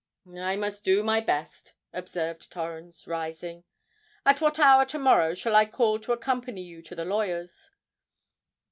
"I must do my best," observed Torrens, rising. "At what hour to morrow shall I call to accompany you to the lawyer's?"